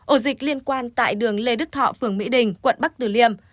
ổ dịch liên quan tại đường lê đức thọ phường mỹ đình quận bắc tử liêm